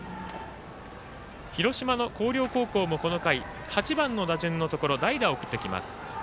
広島の広陵高校もこの回８番の打順のところ代打を送ってきます。